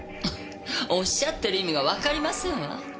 おっしゃってる意味がわかりませんわ。